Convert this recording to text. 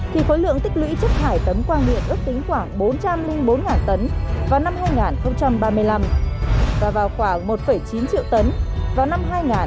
thì khối lượng tích lũy chất thải tấm quang điện ước tính khoảng bốn trăm linh bốn tấn vào năm hai nghìn ba mươi năm và vào khoảng một chín triệu tấn vào năm hai nghìn năm mươi